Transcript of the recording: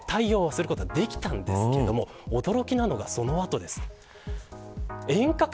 ここまで対応することができたんですけれども驚きなのは、その後です。